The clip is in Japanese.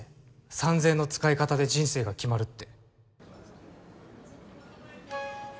三千円の使いかたで人生が決まるって